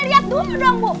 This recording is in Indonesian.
lihat dulu dong bu